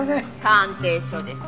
鑑定書です。